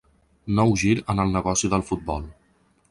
Nou gir en el negoci del futbol.